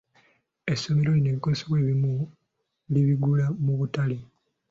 Essomero lino ebikozesebwa ebimu libigula mu butale.